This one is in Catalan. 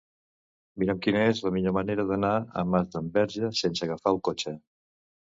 Mira'm quina és la millor manera d'anar a Masdenverge sense agafar el cotxe.